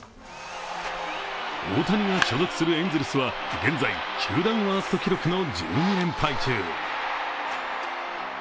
大谷が所属するエンゼルスは現在球団ワースト記録の１２連敗中。